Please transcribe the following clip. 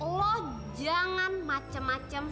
lo jangan macem macem